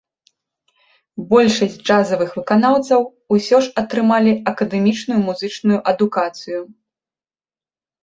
Большасць джазавых выканаўцаў усё ж атрымалі акадэмічную музычную адукацыю.